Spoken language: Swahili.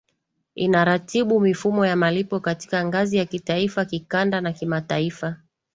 inaratibu mifumo ya malipo katika ngazi ya kitaifa kikanda na kimataifa